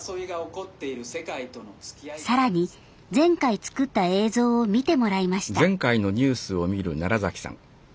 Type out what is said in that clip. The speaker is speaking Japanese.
さらに前回作った映像を見てもらいました。